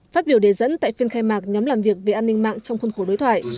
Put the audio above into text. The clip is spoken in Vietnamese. phát biểu đề dẫn tại phiên khai mạc nhóm làm việc về an ninh mạng trong khuôn khổ đối thoại